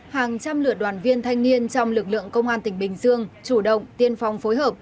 hàng trăm lượt đoàn viên thanh niên trong lực lượng công an tỉnh bình dương chủ động tiên phong phối hợp